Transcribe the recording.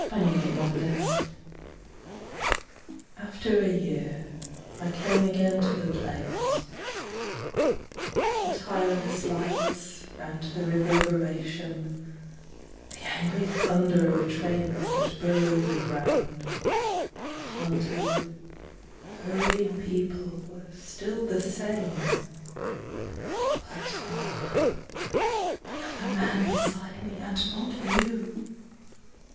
IN A SUBWAY STATION AFTER a year I came again to the place; The tireless lights and the reverberation, The angry thunder of trains that burrow the ground, The hunted, hurrying people were still the same But oh, another man beside me and not you!